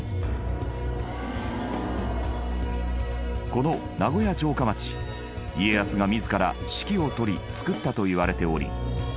この名古屋城下町家康が自ら指揮を執りつくったといわれており。